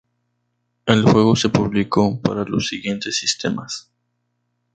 El juego se publicó para los siguientes sistemas